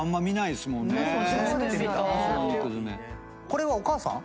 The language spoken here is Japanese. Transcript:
これはお母さん？